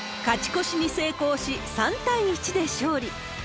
勝ち越しに成功し、３対１で勝利。